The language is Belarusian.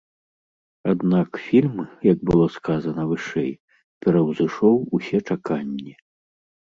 Аднак фільм, як было сказана вышэй, пераўзышоў усе чаканні.